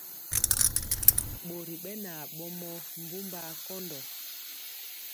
Ɓori ɓɛ na ɓomɔ mbumbaa kɔndɔ.